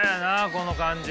この感じ。